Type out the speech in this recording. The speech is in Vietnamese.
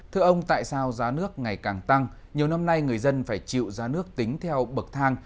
thưa ông tại sao giá nước ngày càng tăng nhiều năm nay người dân phải chịu giá nước tính theo bậc thang